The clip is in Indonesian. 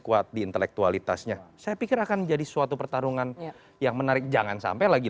kuat di intelektualitasnya saya pikir akan jadi suatu pertarungan yang menarik jangan sampai lagi